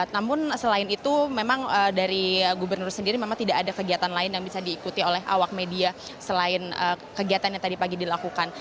namun selain itu memang dari gubernur sendiri memang tidak ada kegiatan lain yang bisa diikuti oleh awak media selain kegiatan yang tadi pagi dilakukan